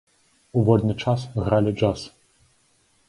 У вольны час гралі джаз.